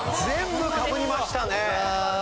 全部かぶりましたね。